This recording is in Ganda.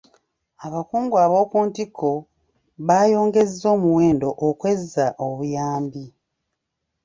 Abakungu ab'oku ntikko baayongeza omuwendo okwezza obuyambi.